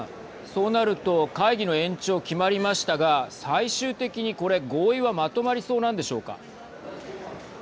そうなると会議の延長、決まりましたが最終的に、これ合意はまとまりそうなんでしょうか。